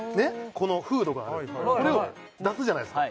このフードがあるこれを出すじゃないですか